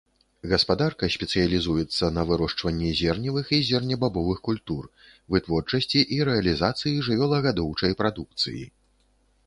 Гаспадарка спецыялізуецца на вырошчванні зерневых і зернебабовых культур, вытворчасці і рэалізацыі жывёлагадоўчай прадукцыі.